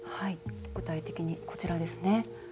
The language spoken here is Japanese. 具体的にこちらですね。